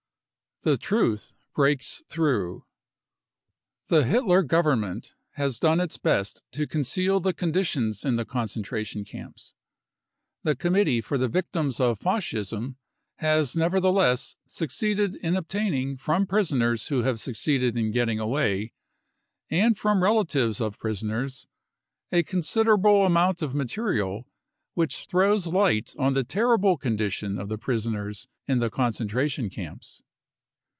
The Truth breaks through. The Hitler Government has done its best to conceal the conditions in the concentra tion camps. The Committee for the Victims of Fascism has nevertheless succeeded in obtaining from prisoners who have succeeded in getting away, and from the relatives of prisoners, a considerable amount of material which throws light on the terrible condition of the prisoners in the con centration camps.